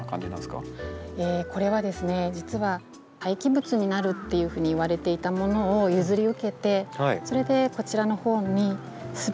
これは実は廃棄物になるっていうふうにいわれていたものを譲り受けてそれでこちらのほうにすべてですね